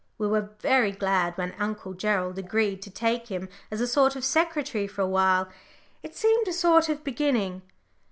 We were very glad when Uncle Gerald agreed to take him as a sort of secretary for a while it seemed a sort of beginning."